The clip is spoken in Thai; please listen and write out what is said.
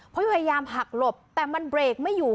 เพราะพยายามหักหลบแต่มันเบรกไม่อยู่